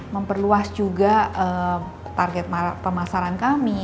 memperluas juga target pemasaran kami